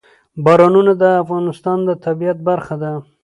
باران د افغانستان د طبیعت برخه ده.